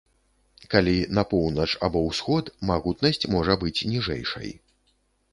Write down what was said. Калі на поўнач або ўсход, магутнасць можа быць ніжэйшай.